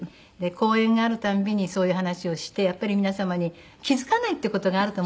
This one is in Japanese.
講演があるたびにそういう話をしてやっぱり皆様に気付かないっていう事があると思うんですね。